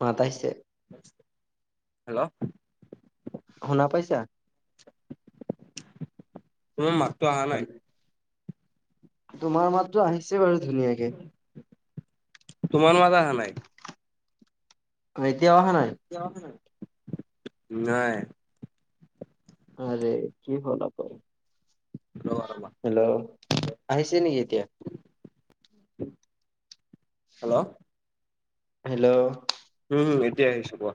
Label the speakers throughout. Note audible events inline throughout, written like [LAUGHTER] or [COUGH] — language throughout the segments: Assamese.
Speaker 1: মাতাইছে।
Speaker 2: হেল্ল'
Speaker 1: শনা পাইচা।
Speaker 2: তোমাৰ মাতটো অহা নাই।
Speaker 1: তোমাৰ মাততো আহিছে বাৰু ধুনীয়াকে।
Speaker 2: তোমাৰ মাত অহা নাই।
Speaker 1: এতিয়া অহা নাই।
Speaker 2: নাই।
Speaker 1: আৰে কি হল আপাৰ।
Speaker 2: ৰবা ৰবা
Speaker 1: হেল্ল' আহিছে নেকি এতিয়া?
Speaker 2: হেল্ল'
Speaker 1: হেল্ল'
Speaker 2: উম এতিয়া আহিছো কোৱা।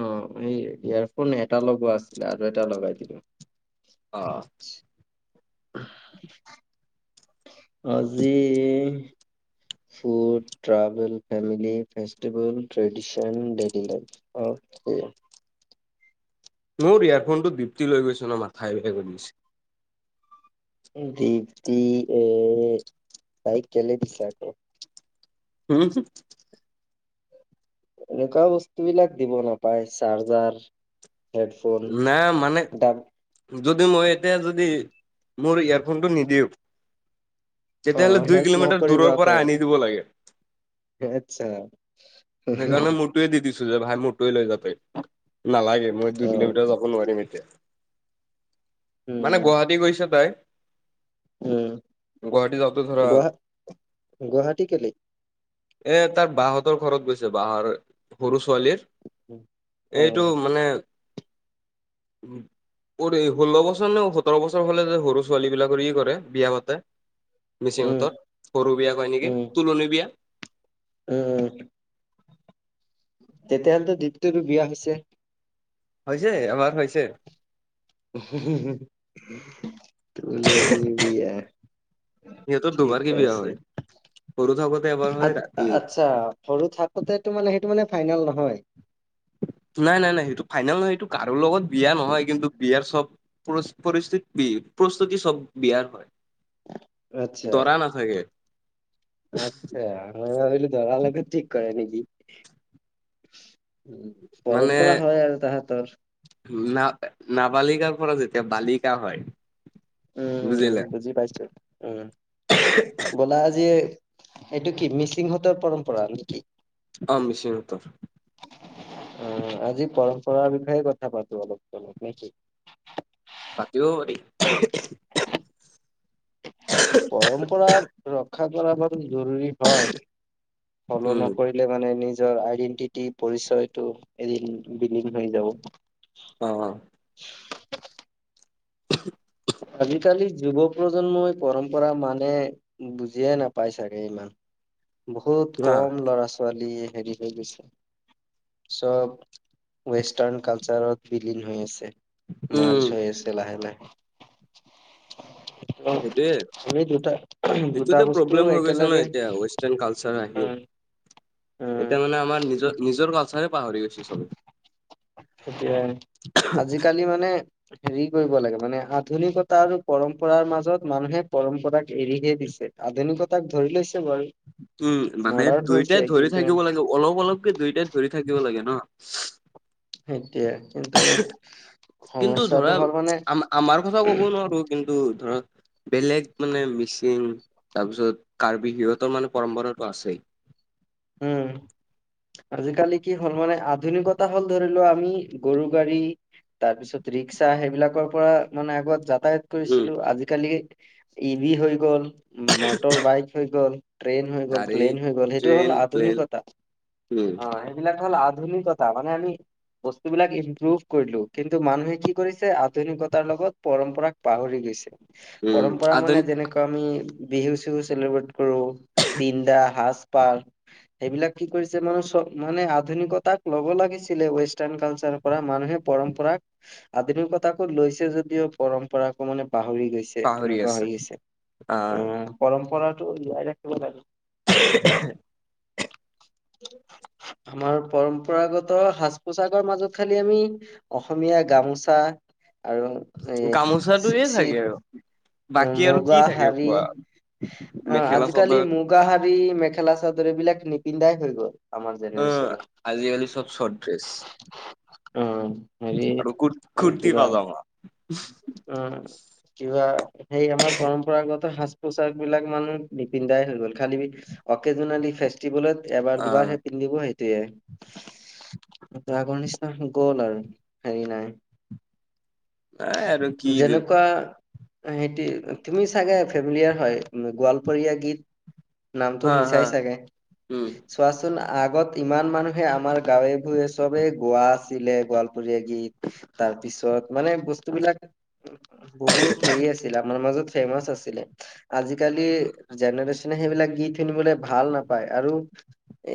Speaker 1: অ এই ইয়াৰফোন এটা লগোৱা আছিলে আৰু এটা লগাই দিলো।
Speaker 2: অ
Speaker 1: উ আজি food travel family festival tradition ড ল উম
Speaker 2: মোৰ ইয়াৰফোনটো দিপ্তি লৈ গৈছে ন মাথাই বেয়া গৈছে।
Speaker 1: দপ্তি এ তাইক কেলে দিছো আকৌ?
Speaker 2: হুম
Speaker 1: এনেকুৱা বস্তুবলাক দিব নাপায় চাৰ্জাৰ
Speaker 2: নাই মানে
Speaker 1: হেডফোন ডাব
Speaker 2: যদি মই এতিয়া যদি মোৰ ইয়েৰফোনটো নিদিওঁ
Speaker 1: অ
Speaker 2: তেতিয়াহলে দুই
Speaker 1: হেল্প
Speaker 2: কিলোমিটাৰ
Speaker 1: নকৰিবা
Speaker 2: দূৰৰ পৰা
Speaker 1: আকৌ।
Speaker 2: আনি দিব লাগে।
Speaker 1: আচ্ছা!
Speaker 2: সেইকাৰণে মোৰটোৱে দি দিছো যে ভাই মোৰটো লৈ যাবই নালাগে। মই দুই কিলোমিটাৰ যাব নোৱাৰিম এতিয়া। মানে
Speaker 1: উম,
Speaker 2: গুৱাহাটী গৈছে তাই
Speaker 1: উম
Speaker 2: গুৱাহাটী যাওঁতে ধৰা
Speaker 1: গুৱা গুৱাহাটী কেলে
Speaker 2: এ তাৰ বাহহঁতৰ ঘৰত গৈছে বাঁহৰ সৰু ছোৱালীৰ এইটো
Speaker 1: অ',
Speaker 2: মানে
Speaker 1: [UNINTELLIGIBLE]
Speaker 2: উম ষোল্ল বছৰ নে সোতৰ বছৰ হলে যে সৰু ছোৱালী বিলাকৰ ই কৰে বিয়া পাতে।
Speaker 1: উম,
Speaker 2: মিচিংহঁতৰ সৰু বিয়া কয় নেকি
Speaker 1: উম,
Speaker 2: তুলনি বিয়া
Speaker 1: উম তেতিয়াহলেতো দ্বিতিয়টো বিয়া হৈছে
Speaker 2: হৈছে আমাৰ
Speaker 1: তুলনি বিয়া
Speaker 2: সিহঁতৰ দুবাৰকে বিয়া হয় সৰু থাকোতে এবাৰ
Speaker 1: আ
Speaker 2: হয় ৰাতি
Speaker 1: আচ্ছা সৰু থাকোতে তো মানে সেইটো মানে ফাইনেল নহয় [UNINTELLIGIBLE]
Speaker 2: নাই, নাই, নাই সেইটো ফাইনেল নহয় সেইটো কাৰো লগত বিয়া নহয় কিন্তু বিয়াৰ চব পৰিস্থিতি বি প্ৰস্তুতি চব বিয়াৰ হয়
Speaker 1: আচ্ছা,
Speaker 2: দৰা নাথাকে।
Speaker 1: আচ্ছা ম ই ভাবিলো দৰা লগত ঠিক কৰে নেকি [UNINTELLIGIBLE]
Speaker 2: মানে
Speaker 1: পৰম্পৰা হয় আৰু তাহাঁতৰ
Speaker 2: না নাবালিকাৰ পৰা যে তেওঁ বালিকা হয়
Speaker 1: উম -উম
Speaker 2: বুজিলে
Speaker 1: বুজি পাইছো উম, ব'লা আজি এইটো কি মিচিংহতৰ পৰম্পৰা নেকি?
Speaker 2: অ মিচিং হতৰ।
Speaker 1: পঢ়াৰ বিষয়ে কথা পাতো অলপ জনক নেকি?
Speaker 2: থেং ইউ
Speaker 1: পৰম্পৰা ৰক্ষা কৰা ব জৰুৰী হয়। ফল'
Speaker 2: উম
Speaker 1: নকৰিলে মানে নিজ নিজৰ আইডেন্টিটি পৰিচয়টো এদিন বিলীন হৈ যাব।
Speaker 2: অ [UNINTELLIGIBLE]
Speaker 1: আজিকালি যুৱ প্ৰজন্মই পৰম্পৰা মানে বুজিয়ে নাপাই চাগে ইমান। বহুত
Speaker 2: অ
Speaker 1: কম ল'ৰা ছোৱালী হেৰি হৈ গৈছে। চব ৱেষ্টাৰ্ণ কালচাৰত বিলীন হৈ আছে। মাৰছ
Speaker 2: উম
Speaker 1: হৈ আছে লাহে -লাহে। ত'
Speaker 2: সেইটোৱে
Speaker 1: আমি দুটা দুটা
Speaker 2: সেইটোতে
Speaker 1: বস্তু
Speaker 2: প্ৰব্লেম হৈ গৈছে ন
Speaker 1: একেলগে
Speaker 2: এতিয়া ৱেষ্টাৰ্ণ কালচাৰ আহি
Speaker 1: উম উম,
Speaker 2: এতিয়া মানে আমাৰ নিজৰ- নিজৰ কালচাৰে পাহৰি গৈছে চব
Speaker 1: এ আজিকালি মানে হেৰি কৰিব লাগে মানে আধুনিকতা আৰু পৰম্পৰাৰ মাজত মানুহে পৰম্পৰাক এৰিহে দিছে। আধুনিকতাক ধৰিলৈছে।
Speaker 2: উম মানে দুইটাই ধৰি
Speaker 1: কিন্তু
Speaker 2: থাকিব লাগে অলপ অলপকে দুইটাই ধৰি থাকিব লাগে ন। [UNINTELLIGIBLE]
Speaker 1: এতিয়া কিন্তু
Speaker 2: কিন্তু
Speaker 1: সমস্যাটো
Speaker 2: ধৰা
Speaker 1: হ'ল মানে
Speaker 2: আ আমাৰ কথাও ক'ব নোৱাৰো কিন্তু অ বেলেগ মানে মিচিং তাৰপিছত কাৰ্বি সিহঁতৰ মানে পৰম্পৰাতটো আছেই
Speaker 1: উম আজিকালি কি হ'ল মানে আধুনিকতা হ'ল ধৰি লোৱা আমি গৰু গাড়ী তাৰপিছত ৰিক্সা সেইবিলাকৰ পৰা মানে আগত য যাতায়াত
Speaker 2: উম
Speaker 1: গৈছিলো আজিকালি টিভি হৈ গ'ল মটৰ বাইক হৈ গ'ল, ট্ৰেইন হৈ গ'ল,
Speaker 2: গাড়ী
Speaker 1: প্লেইন হৈ গ'ল, সেইটো
Speaker 2: ট্ৰেইন
Speaker 1: হ'ল আ
Speaker 2: প্লেন
Speaker 1: আধুনিকতা
Speaker 2: উম
Speaker 1: অ সেই বিলাক হ'ল আধুনিকতা বস্তুবিলাক ইনপ্ৰুভ কৰিলো কিন্তু মানুহে কি কৰিছে আধুনিকতাৰ লগত পৰম্পৰাক পাহৰি গৈছে।
Speaker 2: উম
Speaker 1: পৰম্পৰা
Speaker 2: আধুন
Speaker 1: মানে যেনেকুৱা আমি বিহু চিহু চেলিব্ৰেট কাপোৰ পিন্ধা সাজ- পাৰ। এইবিলাক কি কৰিছে মান চব মানে আধুনিকতাক ল'ব লাগিছিলে ৱেষ্টাৰ্ণ কালচাৰ পৰা মানুহে পৰম্পৰাক আধুনিকতাকো লৈছে যদিও পৰম্পৰাকো মানে পাহৰি গৈছে
Speaker 2: পাহৰি
Speaker 1: তেনেকুৱা
Speaker 2: আছে
Speaker 1: হৈ গৈছে, আহ পৰম্পৰাটো যিয়াই ৰাখিব লাগে।
Speaker 2: [INAUDIBLE]
Speaker 1: কি [INAUDIBLE] আমাৰ পৰম্পৰাগত সাজ পোচাকৰ মাজত খালি আমি অসমীয়া গামোচা আৰু এ
Speaker 2: গামোচাটোয়ে থাকে
Speaker 1: চিৱ
Speaker 2: আৰু
Speaker 1: অ
Speaker 2: বাকী আৰু কি
Speaker 1: মুগা
Speaker 2: থাকে
Speaker 1: শাৰী,
Speaker 2: কোৱা
Speaker 1: অ
Speaker 2: মেখেলা
Speaker 1: আজিকালি
Speaker 2: চাদৰ
Speaker 1: মুগ শাৰী মেখেলা চ দ এইবিলাক নিপিন্ধাই হৈ গ'ল। আমাৰ
Speaker 2: অহ
Speaker 1: জেনেৰেশ্যনে
Speaker 2: আজিকালি চব শৰ্ট ড্ৰেছ।
Speaker 1: অ হেৰি
Speaker 2: আৰু কুৰ কুৰ্তি
Speaker 1: কিবা,
Speaker 2: পাজামা
Speaker 1: উম কিবা এই আমাৰ পৰম্পৰাগত সাজ পোছাক বিলাক মানুহ নিপিন্ধাই হৈ গল খালি অকেজলি ফেষ্টিভেলত। এবাৰ
Speaker 2: অ,
Speaker 1: দুবাৰহে পিন্ধিব সেইটোয়ে। আফগানিস্তান গ'ল আৰু হেৰি নাই।
Speaker 2: এ আৰু কি
Speaker 1: যেনেকুৱা সেই তুমি চাগে ফেমিলিয়াৰ হয় গোৱালপৰীয়া গীত। নামটো
Speaker 2: হা হা
Speaker 1: শুনিচাই চাগে,
Speaker 2: উম,
Speaker 1: চোৱাচোন আগত ইমান মানুহে আমাৰ গাঁৱে ভোঞে চবে গোৱা আছিলে গোৱালপুৰীয়া গীত ত তাৰপিছত মানে বস্তুবিলাক বহুত হেৰি আছিল আমাৰ মাজত ফেমাচ আছিলে আজিকালি জেনেৰে্যনে সেইবিলাক গীত শুনিবলৈ ভাল নাপায় আৰু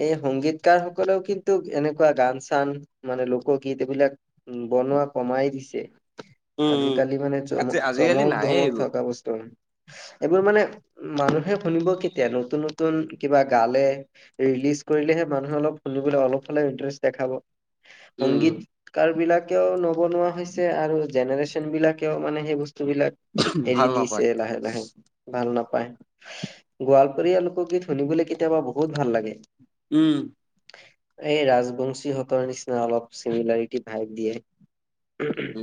Speaker 1: এই সংগীতকাৰ সকলেও কিন্তু এনেকুৱা গান চান মানে লোকগীত এইবিলাক উম! বনোৱা কমাই দিছে
Speaker 2: উম, উম,
Speaker 1: আজিকালি মানে
Speaker 2: আজি
Speaker 1: জমক
Speaker 2: আজিকালি
Speaker 1: চমক
Speaker 2: নাইয়ে
Speaker 1: ধমক
Speaker 2: এইবোৰ
Speaker 1: থকা বস্তু। এইবোৰ মানে মানুহে শুনিব কেতিয়া নতুন নতুন কিবা গালে। ৰিলিজ কৰিলেহে মানুহে অলপ শুনি বলে অলপ হ'লেও ইটাৰেষ্ট দেখাব।
Speaker 2: উম,
Speaker 1: সংগীতকাৰ বিলাক নবনোৱা হৈছে আৰু জেনেৰেচন বিলাকেও মানে সেই বসু বস্তু বিলাক এৰি
Speaker 2: ভাল
Speaker 1: দিছে
Speaker 2: নাপায়
Speaker 1: লাহে লাহে ভাল নাপ নাপায়, গোৱালপৰীয়া লোকগীত শুনিবলৈ কেতিয়াবা বহুত ভাল লাগে।
Speaker 2: উম!
Speaker 1: এই ৰাজবংশীহঁতৰ নিচিনা অলপ চিমিলাৰিটি ভাগ দিয়ে। উম উম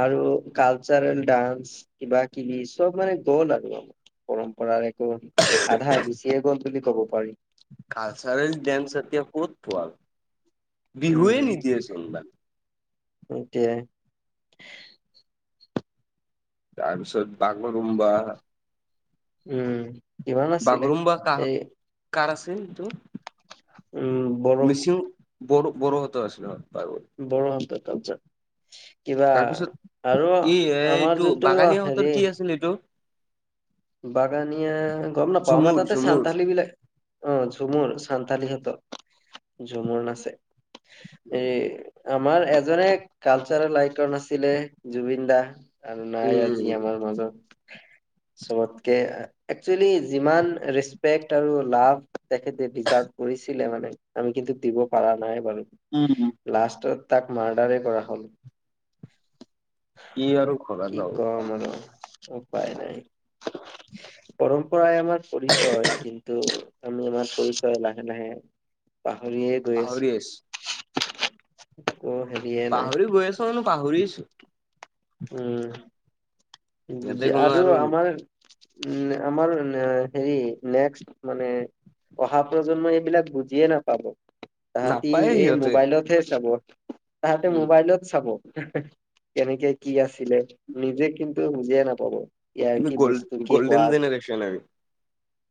Speaker 1: আৰু কালচাৰেল ডান্স কিবা কিবি চব মানে গ'ল আৰু পৰম্পৰাৰ একো আধা গুচিয়ে গ'ল বুলি কব পাৰি।
Speaker 2: কালাৰ্ছৰেল ডেচ এতিয়া ক'ত পোৱা। বিহুৱে নিদিয়ে চোনবাদ।
Speaker 1: এতিয়া
Speaker 2: তাৰপিছত বাগুৰুম্বা।
Speaker 1: উম! কিমান আছিলে
Speaker 2: বাগৰুম্বা কাহ
Speaker 1: এই
Speaker 2: কাৰ আছিল ইটো
Speaker 1: উম বড়ো
Speaker 2: মিচিং বড়ো বড়ো হতৰ আছিলে।
Speaker 1: বড়ো হতৰ কালাৰ্ছ। কিবা
Speaker 2: তাৰপিছত
Speaker 1: আৰু
Speaker 2: ই
Speaker 1: আমাৰ
Speaker 2: এইটো
Speaker 1: যোনটো
Speaker 2: বাগানীয়াহঁতৰ
Speaker 1: হেৰি
Speaker 2: কি আছিল এইটো
Speaker 1: বাগানীয়া গম নাপাও আমাৰ
Speaker 2: ঝুমুৰ
Speaker 1: তাতে
Speaker 2: ঝুমুৰ
Speaker 1: চান্তালী বিলাক অ ঝুমুৰ সান্তালিহঁতত ঝুমুৰ নাচে এই আমাৰ এজনে কালচাৰেল আইকৰণ আছিলে জুবিন দা [UNINTELLIGIBLE] আৰু নাই আজি
Speaker 2: উম,
Speaker 1: আমাৰ মাজত চবতকে একচলি যিমান ৰেচপেক্ট আৰু লাভ [UNINTELLIGIBLE] তেখতে ডিজাভ কৰিছিলে মানে আমি কিন্তু দিব পাৰা নাই বাৰু
Speaker 2: উম,
Speaker 1: লাষ্টত [UNINTELLIGIBLE] তাক মাৰ্ডাৰেই কৰা হ'ল [UNINTELLIGIBLE]
Speaker 2: কি আৰু ঘৰত
Speaker 1: কি
Speaker 2: যাব
Speaker 1: কম আৰু আৰু উপায় নাই পৰম্পৰা আমাৰ পৰিচয় কিন্তু [UNINTELLIGIBLE] আমি আমাৰ পৰিচয় লাহে লাহে পাহৰিয়ে গৈ
Speaker 2: পাহৰি
Speaker 1: আছো
Speaker 2: আহিছো
Speaker 1: একো হেৰিয়ে
Speaker 2: পাহৰি গৈ আছো
Speaker 1: নাই
Speaker 2: মানে পাহৰি আহিছো
Speaker 1: উম
Speaker 2: সিহঁতে
Speaker 1: বুজি
Speaker 2: কোনো
Speaker 1: আৰু আমাৰ উম আমাৰ হেৰি নেক্স মানে অহা প্ৰজন্মই এইবিলাক বুজিয়ে নাপাব তাহাঁতি
Speaker 2: নাপায়ে
Speaker 1: এই
Speaker 2: সিহঁতে
Speaker 1: মোবাইলতহে চাব তাহাঁতি
Speaker 2: উম
Speaker 1: মোবাইলত চাব কেনেকে কি আছিলে নিজে কিন্তু বুজিয়ে নাপাব। ইয়াৰ
Speaker 2: আমি
Speaker 1: কি
Speaker 2: গ'ল
Speaker 1: বস্তু কি
Speaker 2: গ'ল্ডেন
Speaker 1: সোৱাদ
Speaker 2: জেনেৰেশ্যন আমি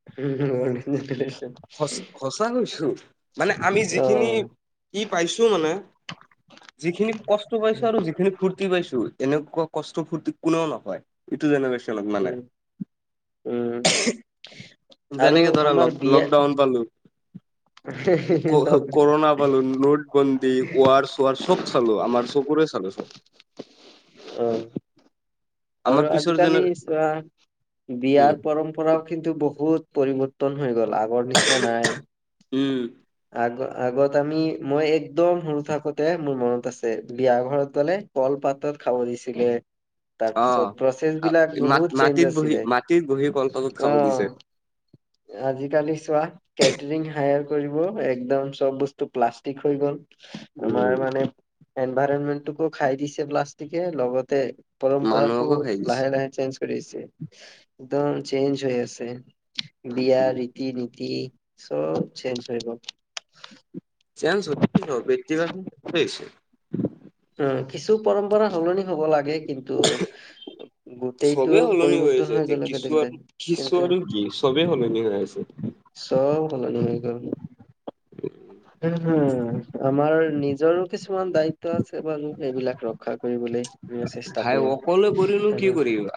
Speaker 1: [UNINTELLIGIBLE]
Speaker 2: সচ সঁচা কৈছো মানে আমি যিখিনি
Speaker 1: অ',
Speaker 2: কি পাইছো মানে [UNINTELLIGIBLE] যিখিনি কষ্ট পাইছো
Speaker 1: উম,
Speaker 2: আৰু যিখিনি ফূুৰ্তি পাইছো এনেকুৱা কষ্ট ফূৰ্তি কোনেও নাপাই এইটো জেনেৰেচন [UNINTELLIGIBLE]
Speaker 1: উম উম [UNINTELLIGIBLE] আৰু
Speaker 2: যেনেকে ধৰা
Speaker 1: আমাৰ
Speaker 2: লক
Speaker 1: বিয়া [UNINTELLIGIBLE]
Speaker 2: কৰুণা ভালু নোটবন্দী ৱাৰ চৱাৰ চব চালো আমাৰ চপৰে চালো চব [UNINTELLIGIBLE]
Speaker 1: অ আৰু
Speaker 2: আমাৰ পিছৰ
Speaker 1: আজিকালি
Speaker 2: যেনে উম
Speaker 1: বিয়াৰ পৰম্পৰাও কিন্তু বহুত [UNINTELLIGIBLE] পৰিৱৰ্তন হৈ গ'ল আগৰ নিচিনা নাই
Speaker 2: উম
Speaker 1: গ আগত আমি মই এক্দম সৰু থাকোতে মোৰ মনত আছে বিয়া ঘৰত গলে ক [UNINTELLIGIBLE] পাতত খাব দিছিলে
Speaker 2: অ
Speaker 1: তাৰপিছত প্ৰচেছ বিলাক
Speaker 2: মা
Speaker 1: বহুত চেঞ্জ
Speaker 2: মাটিত বহি
Speaker 1: আছিলে
Speaker 2: মাটিত বহি কলপাতত খাব
Speaker 1: আহ
Speaker 2: দিছে
Speaker 1: আজিকালি চোৱা কেটৰিং হায়াৰ [UNINTELLIGIBLE] একদম চব বস্তু প্লাষ্টিক হৈ গল আমাৰ
Speaker 2: উম
Speaker 1: মানে এনভাইৰনমেন্টোকো খাই দিছে প্লাষ্টিকে লগতে পৰম্পৰাকো
Speaker 2: মানুহকো খাই দিছে
Speaker 1: লাহে লাহে চেঞ্জ কৰিছে একদম চেঞ্জ হৈ আছে [UNINTELLIGIBLE] বিয়া
Speaker 2: উম
Speaker 1: ৰীতি নীতি চব চেঞ্জ হৈ গ [UNINTELLIGIBLE]
Speaker 2: চান্স কি হ বিছে [UNINTELLIGIBLE]
Speaker 1: [INAUDIBLE] উ কিছু পৰম্পৰা সলনি হব লাগে কিন্তু গোটেইটো
Speaker 2: চবেই সলনি
Speaker 1: পৰিৱৰ্তন
Speaker 2: আছে
Speaker 1: হৈ
Speaker 2: এতিয়া
Speaker 1: গল কে
Speaker 2: কিছু আৰু কিছু
Speaker 1: কিন্তু
Speaker 2: আৰু কি চবেই সলনি হৈ আছে
Speaker 1: চব [UNINTELLIGIBLE] গল [UNINTELLIGIBLE] হম হম আমাৰ নিজৰো কিছুমান দায়িত্ব আছে বাৰু এইবিলাক ৰক্ষা কৰিবলৈ আমি চেষ্টা
Speaker 2: ভাই
Speaker 1: কৰিম
Speaker 2: অকলে কৰিনো
Speaker 1: আৰু
Speaker 2: কি
Speaker 1: ন
Speaker 2: কৰিবা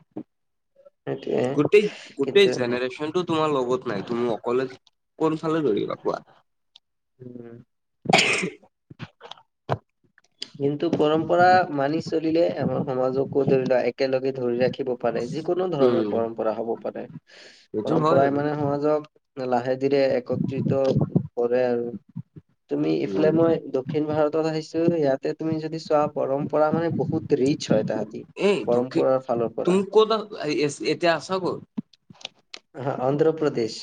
Speaker 2: গোটেই
Speaker 1: কিন্তু
Speaker 2: গোটেই জেনেৰেচনটো তোমাৰ লগত নাই তুমি অকলে কোন ফালে ধৰিবা কোৱা [UNINTELLIGIBLE]
Speaker 1: উম [INAUDIBLE] কিন্তু পৰম্পৰা মানি চলিলে আমাৰ সমাজকো ধৰি লোৱা একেলগে ধৰি ৰাখি থব পাৰে যিকোনো ধৰণৰ
Speaker 2: উম
Speaker 1: পৰম্পৰা হ'ব পাৰে
Speaker 2: সেইটো হয়
Speaker 1: পৰম্পৰাই
Speaker 2: বাৰু
Speaker 1: মানে সমাজক লাহে ধীৰে একত্ৰিত কৰে আৰু তুমি ইফালে
Speaker 2: উম
Speaker 1: মই দক্ষিণ ভাৰতত আহিছো ইয়াতে তুমি যদি চোৱা পৰম্পৰা মানে বহুত ৰিচ হয় তাহাঁতি পৰম্পৰাৰ ফালৰ পৰা
Speaker 2: ক এতিয়া আছ গ'
Speaker 1: আহ অন্ধ্ৰ প্ৰদেশ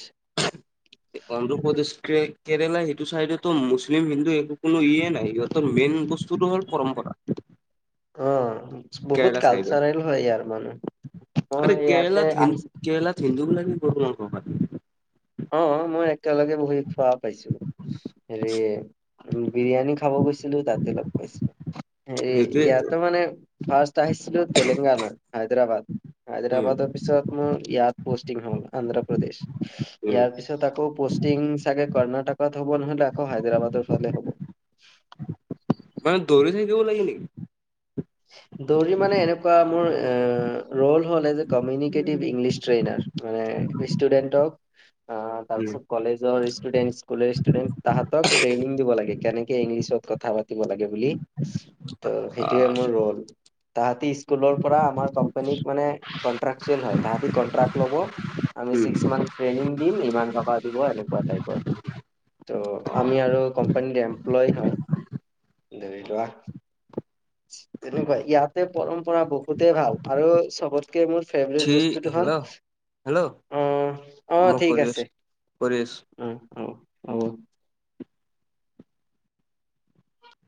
Speaker 2: অন্ধ্ৰপ্ৰদেশ কেৰেলা সেইটো চাইডে তো মুছলিম হিন্দু একো কোনো ইয়ে নাই ইহঁতৰ মেইন মেইন বস্তুটো হ'ল পৰম্পৰা
Speaker 1: অ
Speaker 2: কেৰেলা
Speaker 1: বহুত
Speaker 2: চাইডে
Speaker 1: কালচাৰেল হয় ইয়াৰ মানে
Speaker 2: আৰে কেৰেলাত হী হিন্দু বুলি কি
Speaker 1: অ মই একেলগে বহি খোৱা পাইছো হেৰি বিৰিয়ানী খাব গৈছিলো তাতে লগ পাইছিলো হেৰি
Speaker 2: সেইটোয়েতো
Speaker 1: ইয়াতে মানে ফাৰ্ষ্ট আহিছিলো তেলেংগানা হাইদৰাবাদ
Speaker 2: উম
Speaker 1: হাইদৰাবাদৰ পিছত মোৰ ইয়াত পষ্টিং হল প্ৰদেশ
Speaker 2: উম
Speaker 1: ইয়াৰ পিছত আকৌ পষ্টিং চাগে কৰ্ণাটকত হ'ব নহলে আকৌ হায়দৰাবাদৰ ফালে হ'ব
Speaker 2: মানে দৌৰি থাকিব লাগে নিকি
Speaker 1: দৌৰি মানে এনেকুৱা মোৰ এ ৰল হ'ল যে কমিউিভ ইংলিছ ট্ৰেইনাৰ মানে ষ্টুডেণ্টক অ
Speaker 2: উম
Speaker 1: তাৰপিছত কলেজৰ ষ্টুডেট স্কুলৰ ষ্টুডেণ্ট তাহাতক ট্ৰেইনিং দিব লাগে কেনেকে ইংলিছত কথা কথা পাতিব লাগে বুলি ত সেইটোয়ে
Speaker 2: আহ
Speaker 1: তাহাতি স্কুলৰ পৰা আমাৰ কম্পেনীত মানে কন্ত্ৰেচিয়াল হয় তাহাতি কণ্ট্ৰেক্ট লব আমি
Speaker 2: উম
Speaker 1: ছিক্স মাওঁথ ট্ৰেইনিং দিম ইমান টকা দিব এনেকুৱা টাইপৰ ত আমি আৰু কম্পেনী লয় হয় ধৰি লোৱা তেনেকুৱা ইয়াতে পৰম্পৰা বহুতে ভাল আৰু চবতকে মোৰ ফেভৰেত
Speaker 2: ঠিক
Speaker 1: বস্তুটো হ'ল
Speaker 2: হেল্ল' হেল্ল'
Speaker 1: অ অ
Speaker 2: মই
Speaker 1: ঠিক
Speaker 2: কৰি আছো
Speaker 1: আছে
Speaker 2: কৰি আছো
Speaker 1: অ অহ অহ